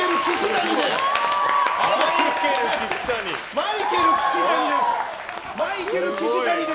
マイケル岸谷で。